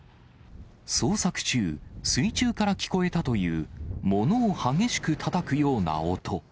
捜索中、水中から聞こえたという、ものを激しくたたくような音。